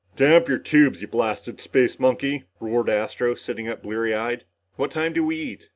"Damp your tubes, you blasted space monkey," roared Astro, sitting up bleary eyed. "What time do we eat?"